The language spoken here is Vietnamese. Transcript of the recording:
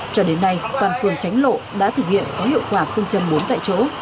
cho đến nay toàn phường tránh lộ đã thực hiện có hiệu quả phương châm bốn tại chỗ